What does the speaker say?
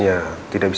cuma suatu tijdelak